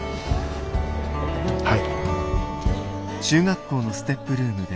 はい。